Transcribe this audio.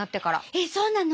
えっそうなの？